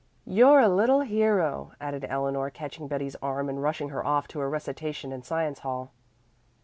"You're a little hero," added Eleanor, catching Betty's arm and rushing her off to a recitation in Science Hall.